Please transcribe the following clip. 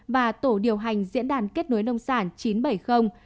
và tổ điều hành diễn đàn kết nối nông sản chín trăm bảy mươi